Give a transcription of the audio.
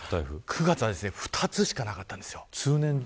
９月は２つしかなかったんです。